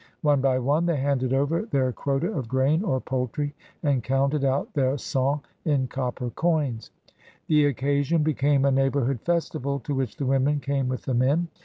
One by one they handed over their quota of grain or poultry and counted out their cem in copper coins. The occasion became a neighborhood festival to which the women came with the men.